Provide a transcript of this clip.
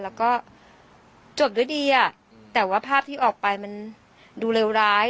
แล้วก็จบด้วยดีอ่ะแต่ว่าภาพที่ออกไปมันดูเลวร้าย